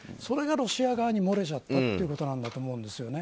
それがロシア側に漏れちゃったということだと思います。